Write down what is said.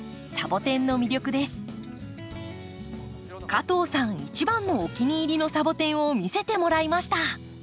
加藤さん一番のお気に入りのサボテンを見せてもらいました。